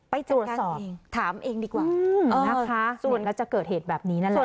ไปตรวจสอบถามเองดีกว่านะคะส่วนก็จะเกิดเหตุแบบนี้นั่นแหละ